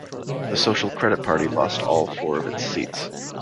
The Social Credit Party lost all four of its seats.